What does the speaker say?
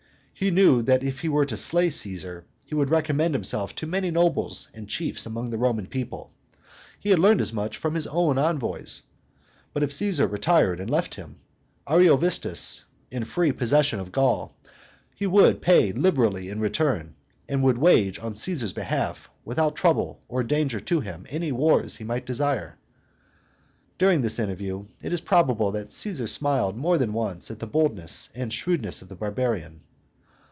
He knew that if he were to slay Caesar, he would recommend himself to many nobles and chiefs amongst the Roman people; he had learned as much from their own envoys. But if Caesar retired and left him, Ariovistus, in free possession of Gaul, he would pay liberally in return, and would wage on Caesar's behalf, without trouble or danger to him, any wars he might desire." During this interview it is probable that Caesar smiled more than once at the boldness and shrewdness of the barbarian.